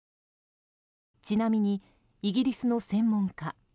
ちなみに、イギリスの専門家